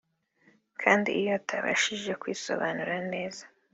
kandi iyo atabashije kwisobanura neza